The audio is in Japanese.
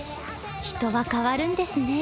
人は変わるんですね。